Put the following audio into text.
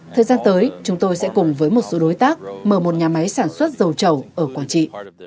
thời gian tới chúng tôi sẽ cùng với một số đối tác mở một nhà máy sản xuất dầu chầu ở quảng trị